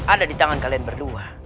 ada di tangan kalian berdua